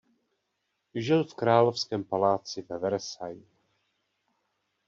Žil v královském paláci ve Versailles.